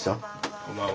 こんばんは。